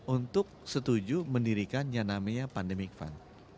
untuk setuju mendirikan yang namanya pandemic fund